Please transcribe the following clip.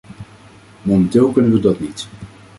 Momenteel kunnen we dat niet.